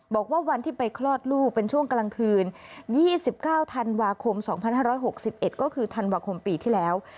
บอกว่าวันที่ไปคลอดลูกเป็นช่วงกลางคืน๒๙ธันวาคม๒๕๖๑ก็คือธันวาคมปีที่แล้ว